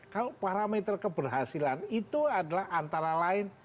kalau parameter keberhasilan itu adalah antara lain